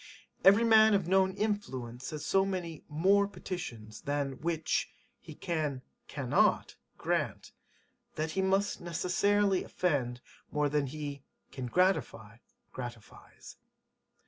Every man of known influence has so many [more] petitions [than] which he [can] cannot grant, that he must necessarily offend more than he [can gratify] gratifies.